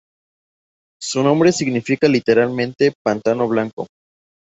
Su nombre significa literalmente "pantano blanco".